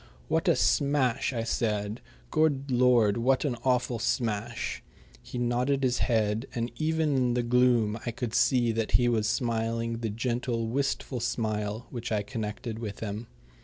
"What a smash!" I said. "Good Lord, what an awful smash!" He nodded his head, and even in the gloom I could see that he was smiling the gentle, wistful smile which I connected with him.